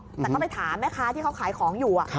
แต่ก็ไปถามแม่ค้าที่เขาขายของอยู่